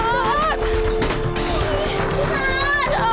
พี่เชิญ